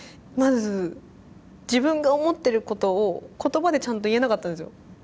まず自分が思ってることを言葉でちゃんと言えなかったんですよ。